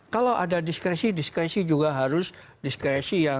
kalau ada diskresi diskresi juga harus diambil